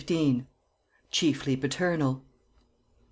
CHIEFLY PATERNAL.